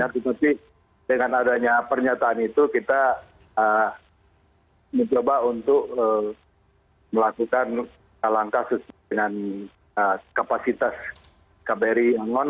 tapi dengan adanya pernyataan itu kita mencoba untuk melakukan langkah sesuai dengan kapasitas kbri yangon